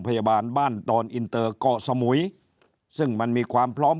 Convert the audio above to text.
พยาบาลบ้านดอนอินเตอร์เกาะสมุยซึ่งมันมีความพร้อม